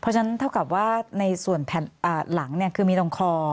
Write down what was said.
เพราะฉะนั้นเท่ากับว่าในส่วนแผ่นหลังคือมีตรงคอ